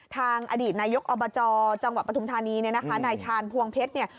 ทางอดีตนายกอบจจังหวะปฐมธานีนะคะนายชาญพวงเพชร